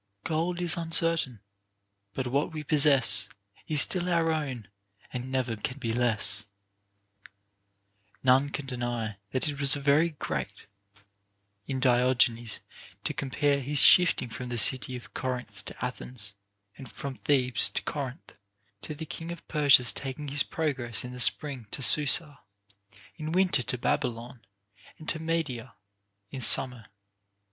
Gold is uncertain ; but what we possess Is still our own, and never can be less. OF MAN'S PROGRESS IN VIRTUE. 455 None can deny but that it was very great in Diogenes to compare his shifting from the city of Corinth to Athens, and from Thebes to Corinth, to the king of Persia's taking his progress in the spring to Susa, in winter to Babylon, and to Media in summer.